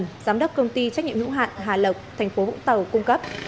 giám đốc công ty trách nhiệm nữ hạn hà lộc tp vũng tàu cung cấp